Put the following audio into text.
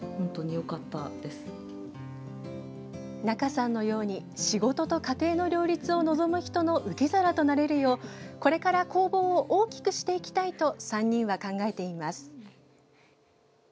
中さんのように仕事と家庭の両立を望む人の受け皿となれるようこれから、工房を大きくしていきたいと３人は考えています。